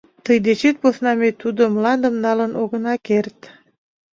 Тый дечет посна ме тудо мландым налын огына керт.